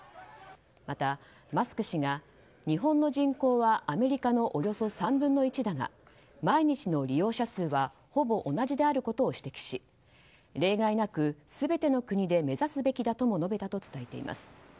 また、マスク氏が日本の人口はアメリカのおよそ３分の１だが毎日の利用者数はほぼ同じであることを指摘し例外なく全ての国で目指すべきだと述べたと伝えています。